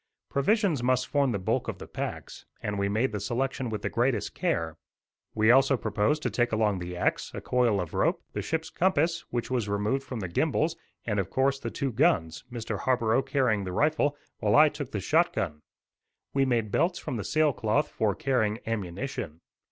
Provisions must form the bulk of the packs, and we made the selection with the greatest care. We also proposed to take along the axe, a coil of rope, the ship's compass, which was removed from the gimbals, and, of course, the two guns, Mr. Harborough carrying the rifle, while I took the shot gun. We made belts from the sail cloth for carrying ammunition.